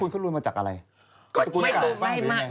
คุณขึ้นรวยมาจากอะไร